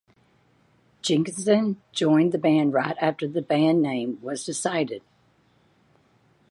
Jenkinson joined the band right after the band name was decided.